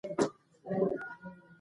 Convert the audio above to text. موږ ټول د ژبې خدمتګاران یو.